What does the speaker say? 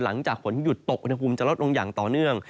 หลังจากฝนหยุดตกอุณหภูมิจะลดลงอย่างต่อเนื่อง